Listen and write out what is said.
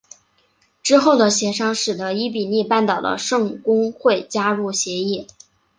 之后的协商使得伊比利半岛的圣公会加入协议。